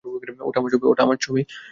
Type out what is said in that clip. ওটা আমার ছবি।